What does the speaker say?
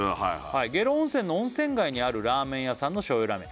「下呂温泉の温泉街にあるラーメン屋さんの醤油ラーメン」